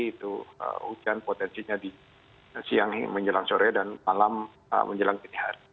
itu hujan potensinya di siang menjelang sore dan malam menjelang dini hari